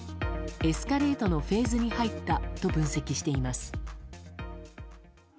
エスカレートのフェーズに入ったと分析しています。